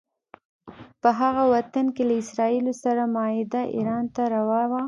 په هغه وخت کې له اسراییلو سره معاهده ایران ته روا وه.